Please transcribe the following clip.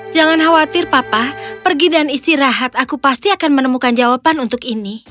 jangan khawatir papa pergi dan istirahat aku pasti akan menemukan jawaban untuk ini